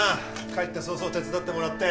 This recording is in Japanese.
帰って早々手伝ってもらって。